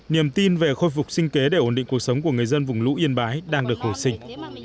niềm tin về khôi phục sinh kế để ổn định cuộc sống của người dân vùng lũ yên bái đang được hồi sinh